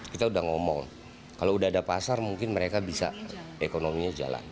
kita udah ngomong kalau udah ada pasar mungkin mereka bisa ekonominya jalan